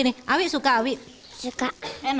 ini maksudnya enggak berhenti berhenti